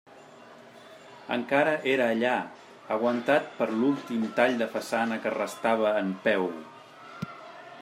Encara era allà, aguantat per l'últim tall de façana que restava en peu.